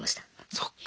そっか。